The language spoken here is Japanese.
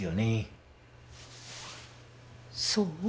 そう？